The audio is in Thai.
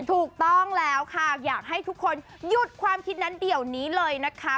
ถูกต้องแล้วค่ะอยากให้ทุกคนหยุดความคิดนั้นเดี๋ยวนี้เลยนะคะ